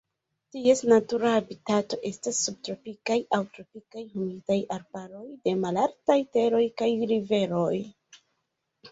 Ties natura habitato estas subtropikaj aŭ tropikaj humidaj arbaroj de malaltaj teroj kaj riveroj.